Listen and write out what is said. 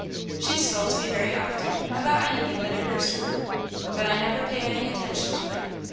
She scolds me very often, about anything that occurs to her, but I never pay any attention to it.